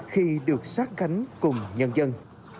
khi được sát gánh cùng nhân dân